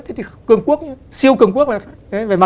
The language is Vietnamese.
thế thì cường quốc siêu cường quốc là